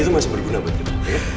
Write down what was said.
tiga sana bener ya